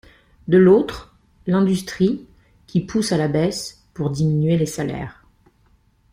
De l’autre, l’industrie, qui pousse à la baisse, pour diminuer les salaires.